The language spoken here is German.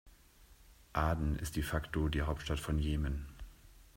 Aden ist de facto die Hauptstadt von Jemen.